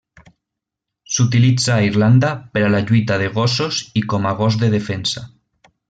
S'utilitza a Irlanda per a la lluita de gossos i com a gos de defensa.